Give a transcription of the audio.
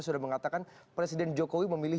sudah mengatakan presiden jokowi memilih